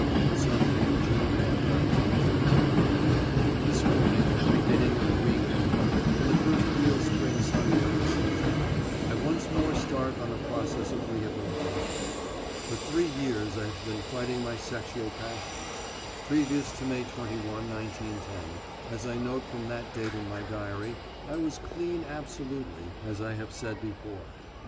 =, Sunday, June 1, 1913.= This morning, the beginning of week and month, and the first real spring Sunday of the season, I once more start on a process of rehabilitation. For three years I have been fighting my sexual passions. Previous to May 21, 1910, as I note from that date in my diary, I was clean absolutely, as I have said before.